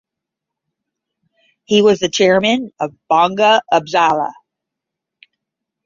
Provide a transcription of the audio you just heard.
He was the chairman of Bhanga upazila.